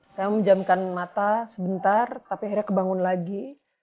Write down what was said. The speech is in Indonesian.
saya menjamkan mata sebentar tapi akhirnya kebangun lagi